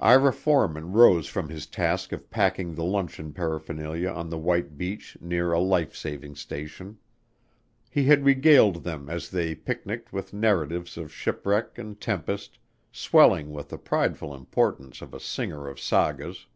Ira Forman rose from his task of packing the luncheon paraphernalia on the white beach near a life saving station. He had regaled them as they picniced with narratives of shipwreck and tempest, swelling with the prideful importance of a singer of sagas.